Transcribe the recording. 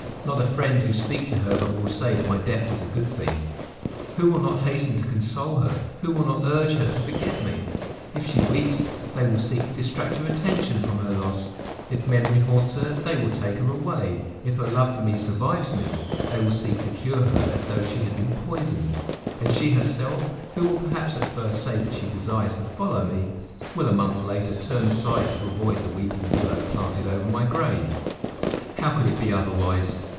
Not a friend who speaks to her but will say that my death was a good thing. Who will not hasten to console her, who will not urge her to forget me! If she weeps, they will seek to distract her attention from her loss; if memory haunts her, they will take her away; if her love for me survives me, they will seek to cure her as though she had been poisoned; and she herself, who will perhaps at first say that she desires to follow me, will a month later turn aside to avoid the weeping willow planted over my grave! How could it be otherwise?